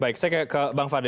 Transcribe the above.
baik saya ke bang fadli